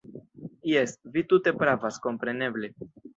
Jes, vi tute pravas, kompreneble!